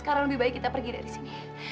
aku takut lebih baik kita pergi dari sini